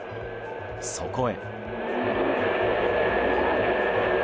そこへ。